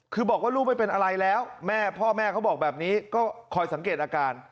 คือบอกว่าลูกไม่เป็นอะไรแล้วแม่พ่อแม่เขาบอกแบบนี้ก็คอยสังเกตอาการ